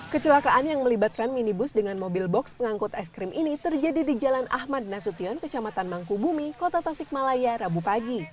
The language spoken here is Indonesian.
kecelakaan yang melibatkan minibus dengan mobil box pengangkut es krim ini terjadi di jalan ahmad nasution kecamatan mangkubumi kota tasikmalaya rabu pagi